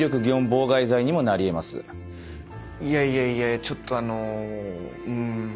いやいやいやちょっとあのうーん。